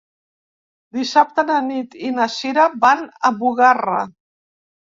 Dissabte na Nit i na Sira van a Bugarra.